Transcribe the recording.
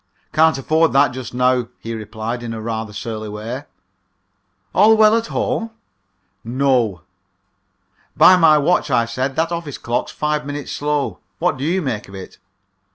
"Can't afford that just now," he replied, in rather a surly way. "All well at home?" "No." "By my watch," I said, "that office clock's five minutes slow. What do you make it?"